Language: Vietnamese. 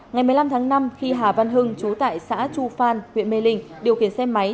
ngày một mươi năm tháng năm khi hà văn hưng chú tại xã chu phan huyện mê linh điều khiển xe máy